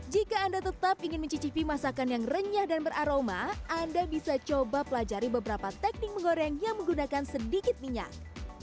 jika anda tetap ingin mencicipi masakan yang renyah dan beraroma anda bisa coba pelajari beberapa teknik menggoreng yang menggunakan sedikit minyak